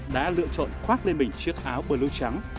đã lựa chọn khoác lên mình chiếc áo blue trắng